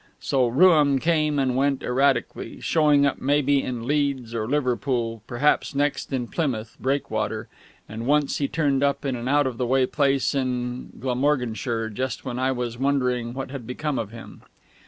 So Rooum came and went erratically, showing up maybe in Leeds or Liverpool, perhaps next on Plymouth breakwater, and once he turned up in an out of the way place in Glamorganshire just when I was wondering what had become of him.